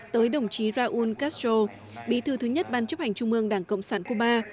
tới đồng chí raúl castro bí thư thứ nhất ban chấp hành trung ương đảng cộng sản cuba